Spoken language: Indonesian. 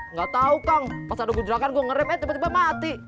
nggak tau kang pas ada kejurakan gue nge rap eh cepet cepet mati